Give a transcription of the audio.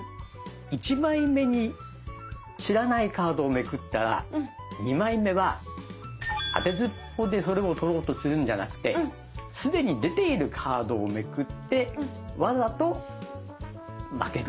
１枚目に知らないカードをめくったら２枚目はあてずっぽでそれを取ろうとするんじゃなくて既に出ているカードをめくってわざと負ける。